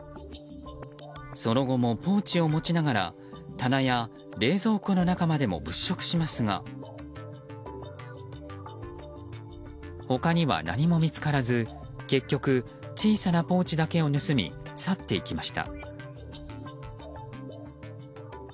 その後もポーチを持ちながら棚や冷蔵庫の中までも物色しますが他には何も見つからず結局、小さなポーチだけを盗み去っていきました。